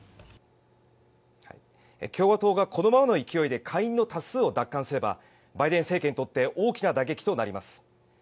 共和党がこのままの勢いで下院の過半数を奪還すればバイデン政権にとって大きな打撃となります。